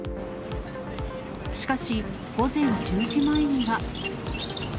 しかし、午前１０時前には。